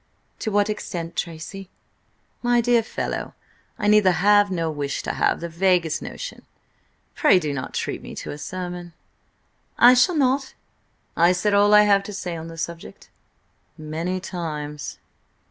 "To what extent, Tracy?" "My dear fellow, I neither have, nor wish to have, the vaguest notion. Pray do not treat me to a sermon!" "I shall not. I've said all I have to say on the subject." "Many times."